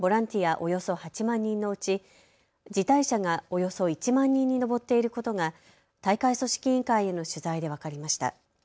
およそ８万人のうち辞退者がおよそ１万人に上っていることが大会組織委員会への取材で分かりました。